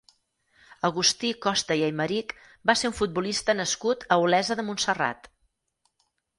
Agustí Costa i Aymerich va ser un futbolista nascut a Olesa de Montserrat.